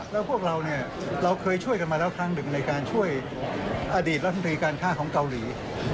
แล้วพวกเราเนี่ยเราเคยช่วยกันมาแล้วครั้งหนึ่งในการช่วยอดีตรัฐมนตรีการฆ่าของเกาหลี